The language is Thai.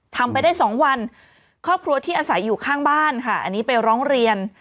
ทำไปได้สองวันครอบครัวที่อาศัยอยู่ข้างบ้านค่ะอันนี้ไปร้องเรียน